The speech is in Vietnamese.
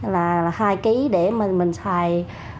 là hai kg để mình xài